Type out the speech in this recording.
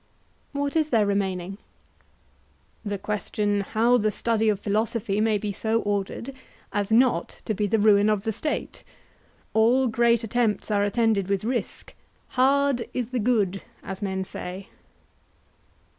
What is there remaining? The question how the study of philosophy may be so ordered as not to be the ruin of the State: All great attempts are attended with risk; 'hard is the good,' as men say.